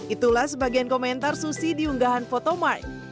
itulah sebagian komentar susi di unggahan foto mark